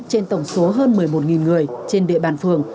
trên tổng số hơn một mươi một người trên địa bàn phường